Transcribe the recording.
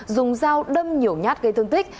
dùng dao đâm nhổ nhát gây thương tích